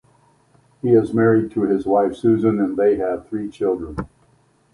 He is married to his wife Suzanne and they have three children.